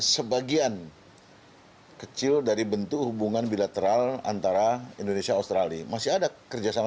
sebagian kecil dari bentuk hubungan bilateral antara indonesia australia masih ada kerjasama